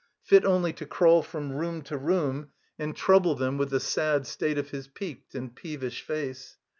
Fit only to crawl from room to room and trouble them with the sad state of his peaked and peevish face.